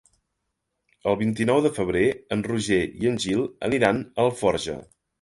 El vint-i-nou de febrer en Roger i en Gil aniran a Alforja.